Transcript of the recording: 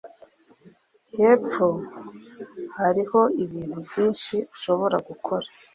hepfo Hariho ibintu byinshi ushobora gukora